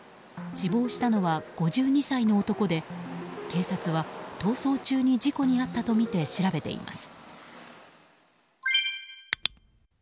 死亡したのは５２歳の男で警察は逃走中に事故に遭ったとみて調べています。